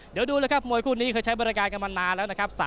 เดี๋ยวดูเลยครับมวยคู่นี้เคยใช้บริการกันมานานแล้วนะครับ